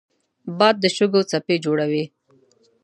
باد د شګو څپې جوړوي